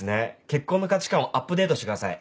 結婚の価値観をアップデートしてください。